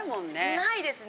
ないですね。